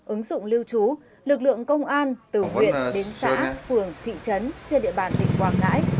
ứng dụng lưu trú lực lượng công an từ huyện đến xã phường thị trấn trên địa bàn tỉnh quảng ngãi